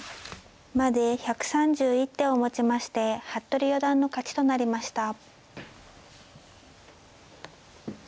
まで１３１手をもちまして服部四段の勝ちとなりました。